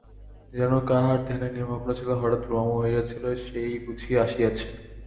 যেন কাহার ধ্যানে নিমগ্ন ছিল, হঠাৎ ভ্রম হইয়াছিল, সে-ই বুঝি আসিয়াছে।